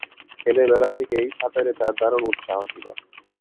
ছেলেবেলা থেকেই সাঁতারে তার দারুণ উৎসাহ ছিল।